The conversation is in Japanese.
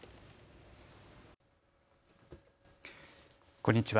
こんにちは。